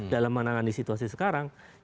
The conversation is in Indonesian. dalam menangani situasi sekarang